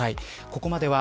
ここまでは